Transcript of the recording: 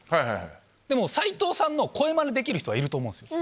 でも、斉藤さんの声まねできる人はいると思うんですよ。